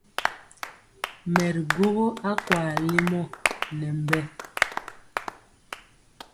Mɛ ri gwogɔ akwaa lemɔ nɛ mbɛ.